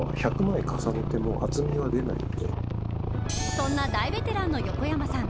そんな大ベテランの横山さん。